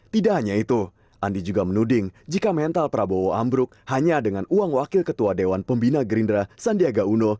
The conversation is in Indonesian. tidak hanya itu andi juga menuding jika mental prabowo ambruk hanya dengan uang wakil ketua dewan pembina gerindra sandiaga uno